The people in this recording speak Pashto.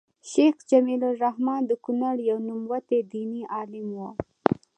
شيخ جميل الرحمن د کونړ يو نوموتی ديني عالم وو